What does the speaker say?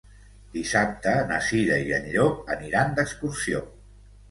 Dissabte na Cira i en Llop aniran d'excursió.